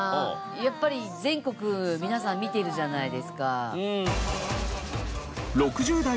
やっぱり全国皆さん見ているじゃないですか。